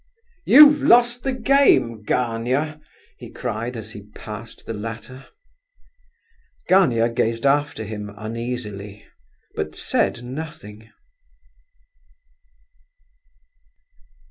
"You've lost the game, Gania" he cried, as he passed the latter. Gania gazed after him uneasily, but said nothing.